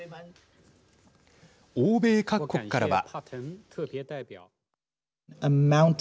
欧米各国からは。